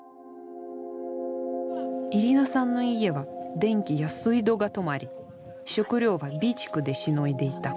イリーナさんの家は電気や水道が止まり食料は備蓄でしのいでいた。